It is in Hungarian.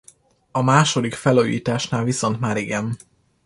A második felújításnál viszont már igen.